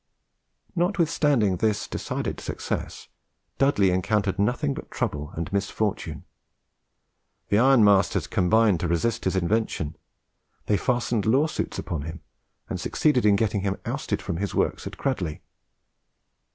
Notwithstanding this decided success, Dudley encountered nothing but trouble and misfortune. The ironmasters combined to resist his invention; they fastened lawsuit's upon him, and succeeded in getting him ousted from his works at Cradley.